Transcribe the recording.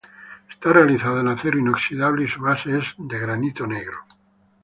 Está realizada en acero inoxidable y su base es de granito negro.